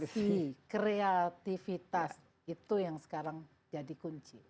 tapi kreativitas itu yang sekarang jadi kunci